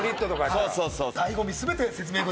そうそうそう。